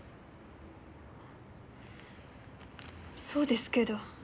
そうですけど。